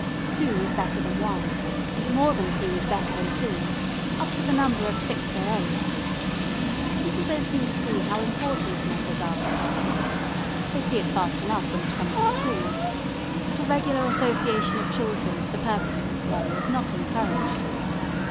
Two is better than one and more than two is better than two, up to the number of six or eight. People don't seem to see how important numbers are for play. They see it fast enough when it comes to schools, but a regular association of children for the purposes of play is not encouraged.